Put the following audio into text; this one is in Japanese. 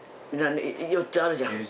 ４つあるじゃん？